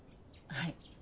はい。